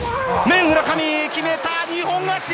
面、村上、決めた、二本勝ち。